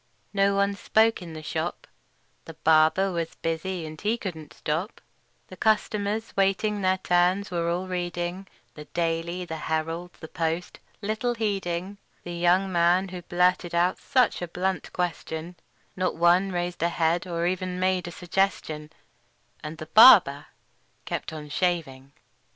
No one spoke in the shop: The barber was busy, and he couldn't stop; The customers, waiting their turns, were all reading The "Daily," the "Herald," the "Post," little heeding The young man who blurted out such a blunt question; Not one raised a head, or even made a suggestion; And the barber kept on shaving.